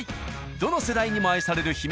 どの世代にも愛される秘密